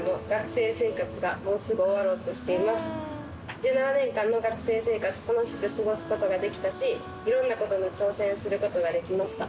１７年間の学生生活楽しく過ごす事ができたし色んな事に挑戦する事ができました。